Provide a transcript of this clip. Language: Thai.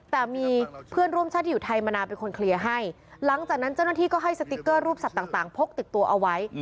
แต่มีเพื่อนร่วมชาติที่อยู่ไทยมานานเป็นคนเคลียร์ให้หลังจากนั้นเจ้าหน้าที่ก็ให้สติ๊กเกอร์รูปสัตว์ต่างพกติดตัวเอาไว้